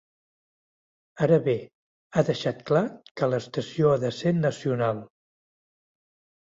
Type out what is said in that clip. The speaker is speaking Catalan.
Ara bé, ha deixat clar que l’estació ha de ser nacional.